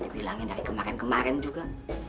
tadi bilangin dari kemarin kemarin juga